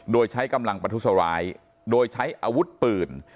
โดยใช้กำลังประทุษร้ายโดยใช้อาวุธปืน